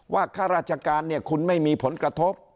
ข้าราชการเนี่ยคุณไม่มีผลกระทบ